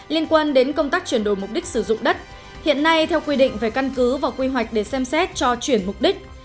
liên quan đến công tác chuyển đổi mục đích sử dụng đất hiện nay theo quy định về căn cứ và quy hoạch để xem xét cho chuyển mục đích